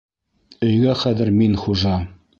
Өйгә хәҙер мин хужа!